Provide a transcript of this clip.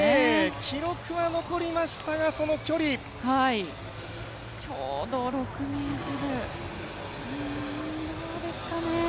記録は残りましたがその距離、ちょうど６ｍどうですかね。